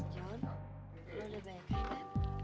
jon lo udah baik ya bang